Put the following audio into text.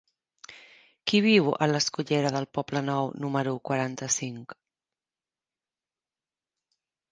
Qui viu a la escullera del Poblenou número quaranta-cinc?